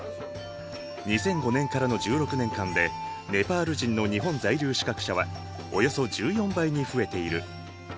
２００５年からの１６年間でネパール人の日本在留資格者はおよそ１４倍に増えている。